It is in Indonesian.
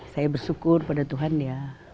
saya bersyukur pada tuhan ya